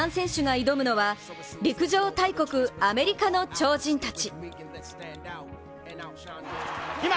日本人３選手が挑むのは陸上大国アメリカの超人たち。